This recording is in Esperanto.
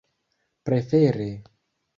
prefere